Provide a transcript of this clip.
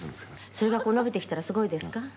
「それが伸びてきたらすごいですか？」